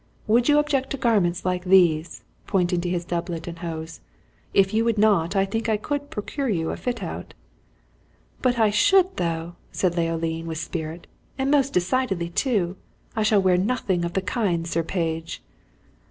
Would you object to garments like these?" pointing to his doublet and hose. "If you would not, I think I could procure you a fit out." "But I should, though!" said Leoline, with spirit "and most decidedly, too! I shall wear nothing of the kind, Sir Page!"